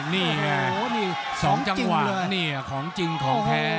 นี่ไงสองจังหวานของจริงของแท้